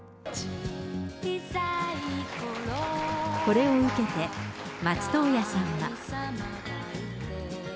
これを受けて、松任谷さんは。